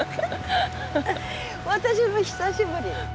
私も久しぶり。